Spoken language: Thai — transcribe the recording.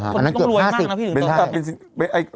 คนต้องรวยมากนะพี่หนุ่มต่อ